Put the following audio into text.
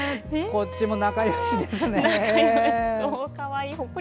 こっちも仲よしですね。